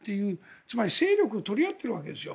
つまり、勢力を取り合ってるわけですよ。